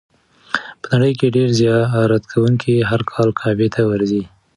په نړۍ کې ډېر زیارت کوونکي هر کال کعبې ته ورځي.